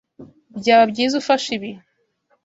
Byaba byiza ufashe ibi.